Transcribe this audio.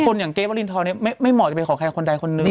คนอย่างเก๊ฟอลินทรได้การได้ขอแควะคนใดขนหนึ่ง